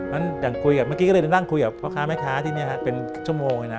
อย่างคุยกับเมื่อกี้ก็เลยนั่งคุยกับพ่อค้าแม่ค้าที่นี่เป็นชั่วโมงเลยนะ